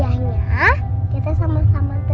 kamu ini iya dia rahasia untuk kamu